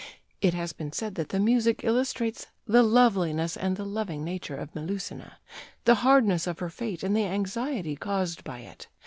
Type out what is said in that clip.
" It has been said that the music illustrates "the loveliness and the loving nature of Melusina; the hardness of her fate and the anxiety caused by it.